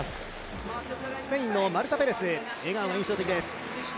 スペインのマルタ・ペレス、笑顔が印象的です。